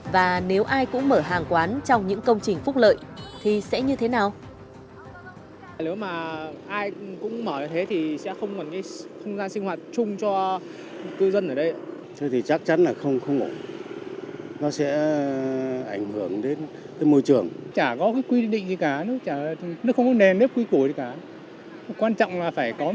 và nếu ai cũng mở hàng quán trong những công trình phúc lợi thì sẽ như thế nào